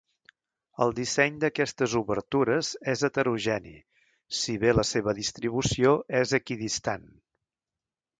El disseny d'aquestes obertures és heterogeni, si bé la seva distribució és equidistant.